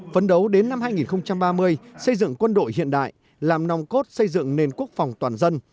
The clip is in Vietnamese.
phấn đấu đến năm hai nghìn ba mươi xây dựng quân đội hiện đại làm nòng cốt xây dựng nền quốc phòng toàn dân